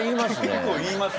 結構言います。